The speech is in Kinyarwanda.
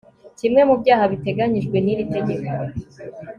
kimwe mu byaha biteganyijwe n iri tegeko